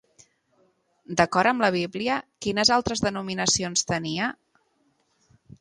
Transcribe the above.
D'acord amb la Bíblia, quines altres denominacions tenia?